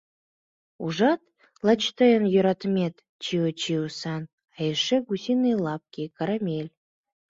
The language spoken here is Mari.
Ужат, лач тыйын йӧратымет, «Чио-чио-сан», а эше «Гусиные лапки» карамель.